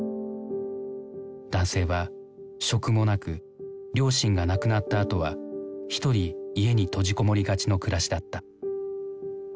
男性は職もなく両親が亡くなったあとはひとり家に閉じ籠もりがちの暮らしだった。